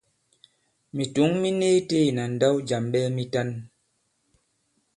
Mìtǔŋ mi ni itē ìna ndǎw jàm ɓɛɛ mitan.